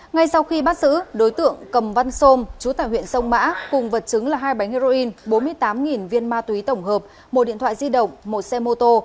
ngay sau khi bắt giữ đối tượng cầm văn sôm chú tải huyện sông mã cùng vật chứng là hai bánh heroin bốn mươi tám viên ma túy tổng hợp một điện thoại di động một xe mô tô